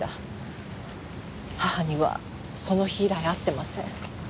母にはその日以来会ってません。